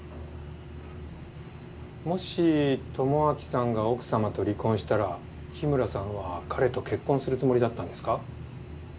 もし智明さんが奥様と離婚したら日村さんは彼と結婚するつもりだったんですか？